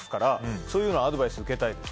そういうののアドバイスは受けたいです。